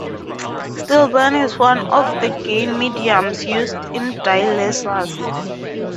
Stilbene is one of the gain mediums used in dye lasers.